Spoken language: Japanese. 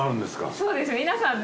そうです皆さんね